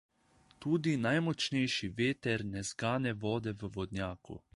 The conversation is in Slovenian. Tudi najmočnejši veter ne zgane vode v vodnjaku.